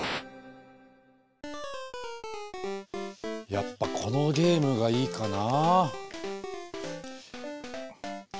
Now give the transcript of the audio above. やっぱこのゲームがいいかな。